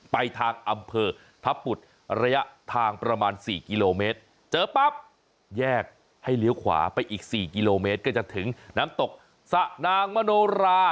ไปทางอำเภอพระบุตรระยะทางประมาณ๔กิโลเมตรเจอปั๊บแยกให้เลี้ยวขวาไปอีก๔กิโลเมตรก็จะถึงน้ำตกสะนางมโนรา